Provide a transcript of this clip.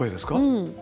うん。